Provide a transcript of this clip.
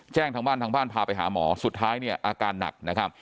แจ้งทางบ้านทางบ้านพาไปหาหมอสุดท้ายเนี่ยอาการหนักนะครับ